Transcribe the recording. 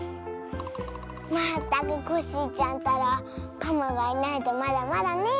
まったくコッシーちゃんったらパマがいないとまだまだねえ。